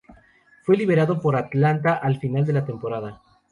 Fue liberado por Atlanta al final de la temporada.